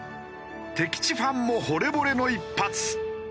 敵地ファンもほれぼれの一発。